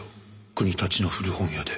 国立の古本屋で」